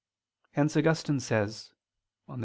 Hence Augustine says (De Civ.